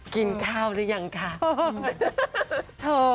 กินข้าวหรือยังคะ